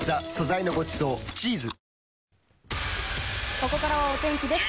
ここからはお天気です。